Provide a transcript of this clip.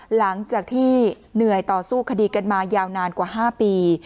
หลังจากที่เหนื่อยต่อสู้คดีกันมายาวนานกว่า๕ปี